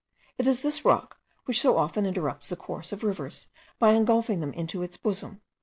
It is this rock which so often interrupts the course of rivers, by engulfing them into its bosom.